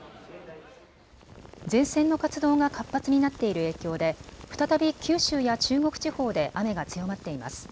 前線の活動が活発になっている影響で再び九州や中国地方で雨が強まっています。